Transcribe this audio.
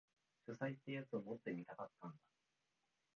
書斎ってやつを持ってみたかったんだ